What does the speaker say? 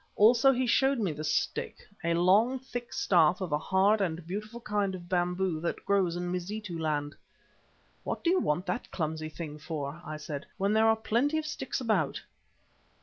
Also he showed me the stick, a long, thick staff of a hard and beautiful kind of bamboo which grows in Mazitu land. "What do you want that clumsy thing for," I said, "when there are plenty of sticks about?"